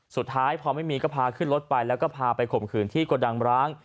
สุดท้ายพอไม่มีก็พาขึ้นรถไปแล้วก็พาไปข่มขืนที่กระดังร้าง